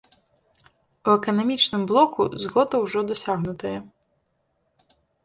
У эканамічным блоку згода ўжо дасягнутая.